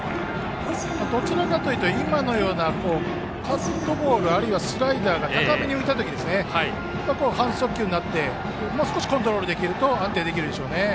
どちらかというと今のような、カットボールあるいはスライダーが高めに浮いた時半速球になってももう少しコントロールできると安定してくるでしょうね。